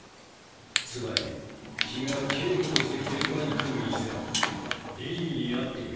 つまり君は警部として現場に来る以前リリーに会っている。